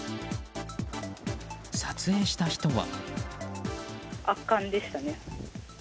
撮影した人は。